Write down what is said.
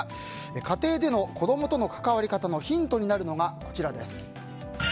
家庭での子どもとの関わり方のヒントになるのがこちらです。